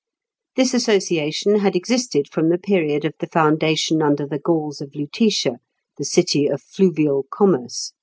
This association had existed from the period of the foundation under the Gauls of Lutetia, the city of fluvial commerce (Fig.